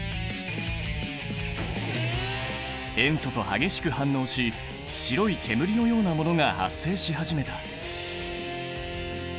塩素と激しく反応し白い煙のようなものが発生し始めた。